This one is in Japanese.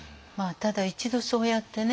ただ一度そうやってね